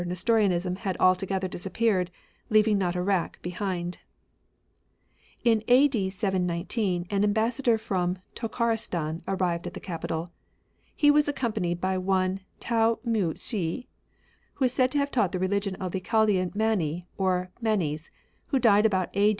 N'estorianism had altogether disappeared, leav ing not a rack behmd. „,^ In A.D. 719 an ambassador from Hanienaeftiis. Tokharestan arrived at the capital. He was accompanied by one Ta mou shS, who is said to have taught the reUgion of the Chal dean Mani, or Manes, who died about a.